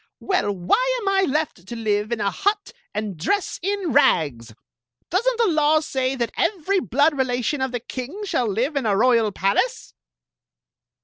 " Well, why am I left to live in a hut and dress in rags? Does n't the law say that every blood relation of the king shall live in a royal palace